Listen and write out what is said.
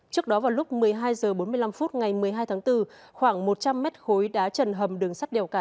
trước đó vào lúc một mươi hai h bốn mươi năm phút ngày một mươi hai tháng bốn khoảng một trăm linh mét khối đá trần hầm đường sắt đèo cả